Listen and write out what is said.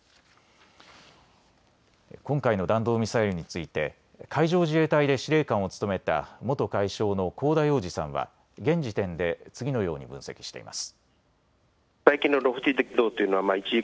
今回の弾道ミサイルについて海上自衛隊で司令官を務めた元海将の香田洋二さんは現時点で次のように分析しています。